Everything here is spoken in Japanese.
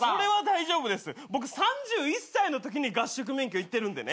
僕３１歳のときに合宿免許行ってるんでね。